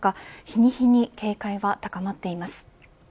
日に日に警戒は高まっています。